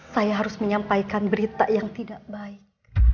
saya harus menyampaikan berita yang tidak baik